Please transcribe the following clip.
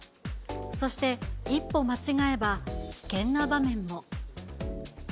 そして、一歩間違えば危険な場面も。